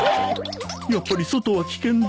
やっぱり外は危険だ。